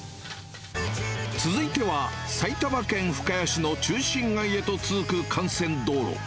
続いては、埼玉県深谷市の中心街へと続く幹線道路。